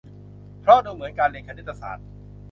เพราะดูเหมือนการเรียนคณิตศาสตร์